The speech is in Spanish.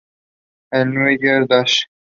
En "New Year Dash!!